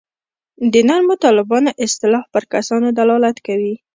د نرمو طالبانو اصطلاح پر کسانو دلالت کوي.